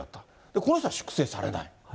この人は粛清されない？